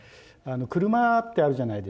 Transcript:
車ってあるじゃないですか。